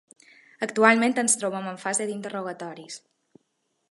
Actualment ens trobem en fase d’interrogatoris.